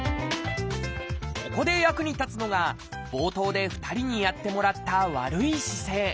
ここで役に立つのが冒頭で２人にやってもらった悪い姿勢。